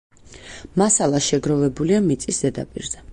მასალა შეგროვებულია მიწის ზედაპირზე.